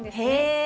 へえ。